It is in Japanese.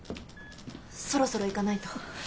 そろそろ行かないと。